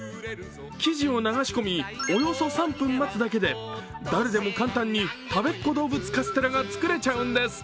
生地を流し込み、およそ３分待つだけで誰でも簡単にたべっ子どうぶつカステラが作れちゃうんです。